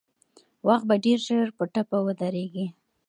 وخت به ډېر ژر په ټپه ودرېږي.